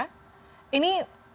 ini awalnya memang langsung tidak ada